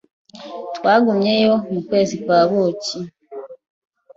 Twagumyeyo ku kwezi kwa buki.